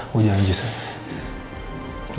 gue janji sayang